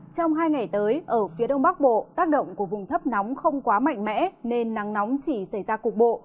trong hai ngày tới ở phía đông bắc bộ tác động của vùng thấp nóng không quá mạnh mẽ nên nắng nóng chỉ xảy ra cục bộ